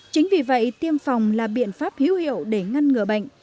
chính vì vậy tiêm phòng là biện pháp hữu hiệu để ngăn ngừa bệnh